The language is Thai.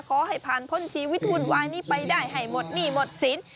ขอให้ผ่านพ้นชีวิตวุ่นวายนี้ไปได้ให้หมดหนี้หมดสิน